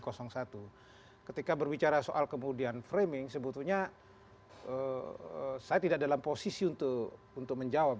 ketika berbicara soal kemudian framing sebetulnya saya tidak dalam posisi untuk menjawab